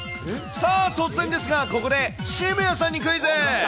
さあ、突然ですが、ここで渋谷さんにクイズ。